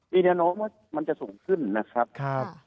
มีแนะนำว่ามันจะสูงขึ้นนะครับ